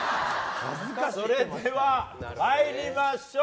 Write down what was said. それでは参りましょう。